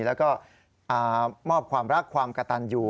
แล้วก็มอบความรักความกระตันอยู่